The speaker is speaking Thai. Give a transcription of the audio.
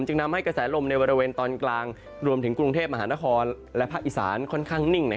นำให้กระแสลมในบริเวณตอนกลางรวมถึงกรุงเทพมหานครและภาคอีสานค่อนข้างนิ่ง